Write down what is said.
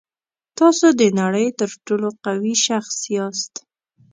تاسو د نړۍ تر ټولو قوي شخص یاست.